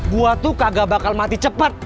gue tuh kagak bakal mati cepat